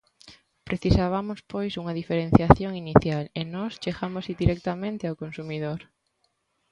Precisabamos pois unha diferenciación inicial, e nós chegamos directamente ao consumidor.